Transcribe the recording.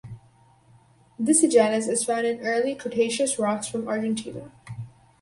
This genus is found in Early Cretaceous rocks from Argentina.